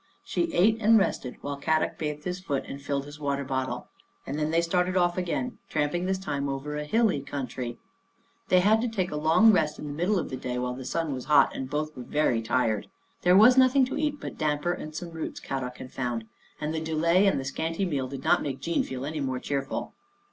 She ate and rested while Kadok bathed his foot and filled his water bottle, and then they started off again, tramping this time over a hilly country. They had to take a long rest in the middle of the day while the sun was hot and both were very tired. There was nothing to eat but damper and some roots Kadok had found, and the delay and the scanty meal did not make Jean feel any more cheerful.